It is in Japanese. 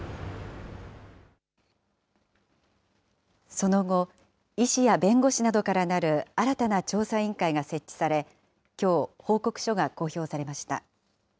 その後、医師や弁護士などからなる新たな調査委員会が設置され、きょう、報告書が公表されました。